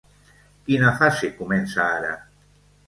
Quina fase comença ara?